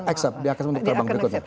accept dia akan menutup terbang berikutnya